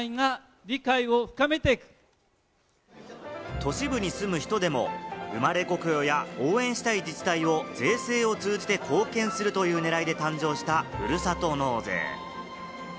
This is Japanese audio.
都市部に住む人でも、生まれ故郷や応援したい自治体を税制を通じて貢献するという狙いで誕生した、ふるさと納税。